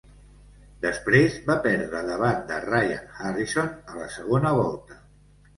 Després va perdre davant de Ryan Harrison a la segona volta.